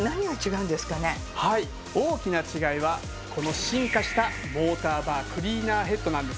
はい大きな違いはこの進化したモーターバークリーナーヘッドなんです。